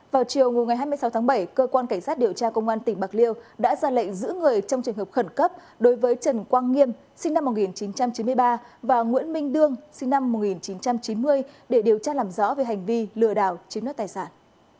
vào chiều ngày hai mươi sáu tháng bảy cơ quan cảnh sát điều tra công an tỉnh bạc liêu đã ra lệnh giữ người trong trường hợp khẩn cấp đối với trần quang nghiêm sinh năm một nghìn chín trăm chín mươi ba và nguyễn minh đương sinh năm một nghìn chín trăm chín mươi để điều tra làm rõ về hành vi lừa đảo chiếm đất tài sản